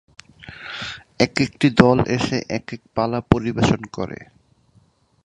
একেকটি দল এসে একেক পালা পরিবেশন করে।